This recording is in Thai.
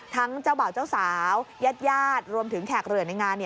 ทั้งเจ้าเบาเจ้าสาวญาติรวมถึงแขกเรือในงาน